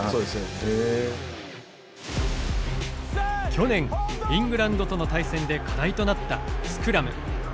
去年、イングランドとの対戦で課題となったスクラム。